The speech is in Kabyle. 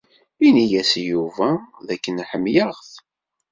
Ini-yas i Yuba d akken ḥemmleɣ-t.